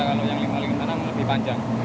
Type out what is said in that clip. kalau yang lima ratus lima puluh enam lebih panjang